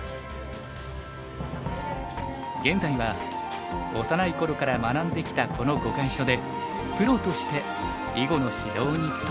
現在は幼い頃から学んできたこの碁会所でプロとして囲碁の指導につとめています。